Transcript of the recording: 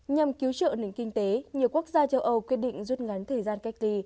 nhằm cứu trợ nền kinh tế nhiều quốc gia châu âu quyết định rút ngắn thời gian cách ly